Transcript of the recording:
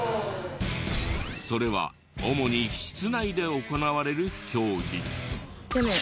それは主に室内で行われる競技。